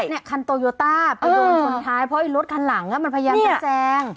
เนี่ยคันโตโยต้าไปโดนชนท้ายเพราะไอ้รถคันหลังมันพยายามจะแซง